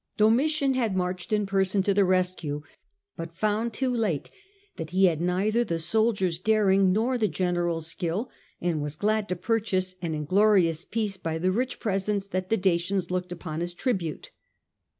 Domitian had marched in person to the rescue, but found too late that he had neither the soldier's daring nor the general's skill, and was glad tc purchase an inglorious peace by the rich presents that the Dacians looked upon as tribute.